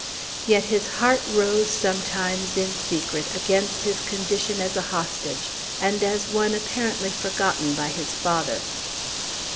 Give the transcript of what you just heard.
Yet his heart rose sometimes in secret against his condition as a hostage, and as one apparently forgotten by his father.